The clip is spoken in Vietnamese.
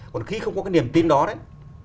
còn khi không có cái niềm tin đó đấy